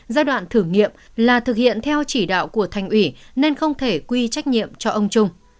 giai đoạn thử nghiệm là thực hiện theo chỉ đạo của thành ủy nên không thể quy trách nhiệm cho ông trung